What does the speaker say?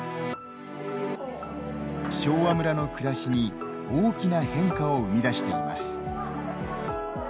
昭和村の暮らしに大きな変化を生み出しています。